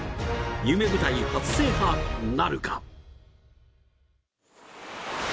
夢舞台、初制覇なるか。